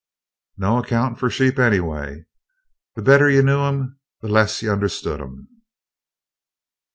No accounting for sheep anyway "the better you knew 'em the less you understood 'em."